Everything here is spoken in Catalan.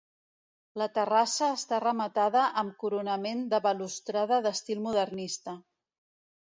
La terrassa està rematada amb coronament de balustrada d'estil modernista.